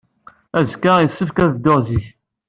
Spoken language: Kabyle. Azekka, yessefk ad dduɣ zik.